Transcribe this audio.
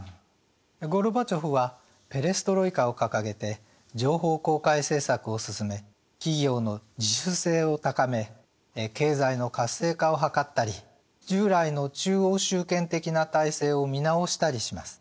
ゴルバチョフはペレストロイカを掲げて情報公開政策を進め企業の自主性を高め経済の活性化を図ったり従来の中央集権的な体制を見直したりします。